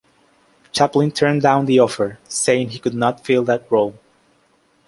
Champlin turned down the offer, saying he could not fill that role.